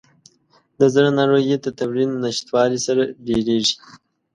د زړه ناروغۍ د تمرین نشتوالي سره ډېریږي.